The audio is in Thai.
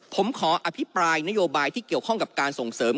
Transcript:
ผมขออภิปรายนโยบายที่เกี่ยวข้องกับการส่งเสริม